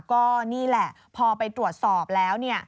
ก็นี่แหละพอไปตรวจสอบแล้ว